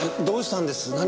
どうしたんです？